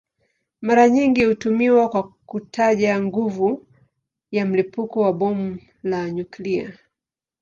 Mara nyingi hutumiwa kwa kutaja nguvu ya mlipuko wa bomu la nyuklia.